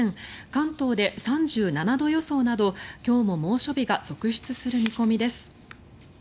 関東で３７度予想など今日も猛暑日が続出する見込みです。